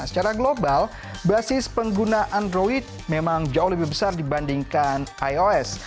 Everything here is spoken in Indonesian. secara global basis pengguna android memang jauh lebih besar dibandingkan ios